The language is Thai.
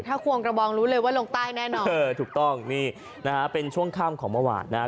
ถ้าควงกระบองรู้เลยว่าลงใต้แน่นอนเออถูกต้องนี่นะฮะเป็นช่วงค่ำของเมื่อวานนะฮะ